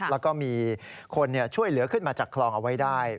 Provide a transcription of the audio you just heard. แล้วก็มีคนช่วยเหลือขึ้นมาจากคลองเอาไว้ได้